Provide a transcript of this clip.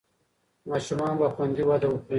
ماشومان به خوندي وده وکړي.